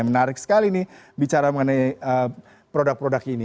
menarik sekali nih bicara mengenai produk produk ini